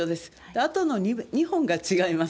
あとの２本が違います。